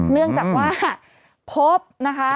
เนื่องจากว่าพบนะคะ